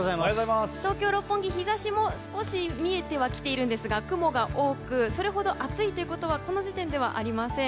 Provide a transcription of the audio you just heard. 東京・六本木、日差しも少し見えてはきているんですが雲が多くそれほど暑いということはこの時点ではありません。